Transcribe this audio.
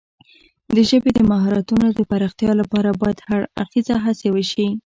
د ژبې د مهارتونو د پراختیا لپاره باید هر اړخیزه هڅې وشي.